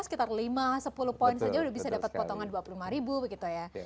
sekitar lima sepuluh poin saja sudah bisa dapat potongan dua puluh lima ribu begitu ya